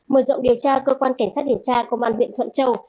mở rộng điều tra cơ quan cảnh sát điều tra công an huyện thuận châu